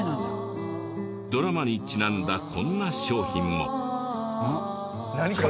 ドラマにちなんだこんな商品も。